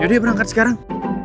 ya udah berangkat sekarang